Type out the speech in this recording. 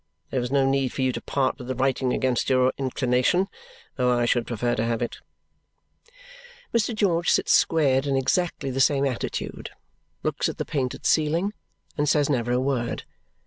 There is no need for you to part with the writing, against your inclination though I should prefer to have it." Mr. George sits squared in exactly the same attitude, looks at the painted ceiling, and says never a word.